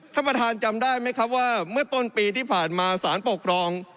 ท่านประธานจำได้ไหมครับว่าเมื่อต้นปีที่ผ่านมาสารปกครอง